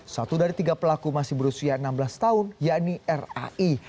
satu dari tiga pelaku masih berusia enam belas tahun yakni rai